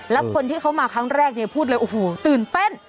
แล้วคนที่เขามาครั้งแรกเนี่ยพูดเลยโอ้โหตื่นเต้น